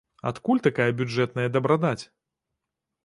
Адкуль такая бюджэтная дабрадаць?